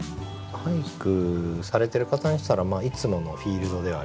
俳句されてる方にしたらいつものフィールドではありますよね。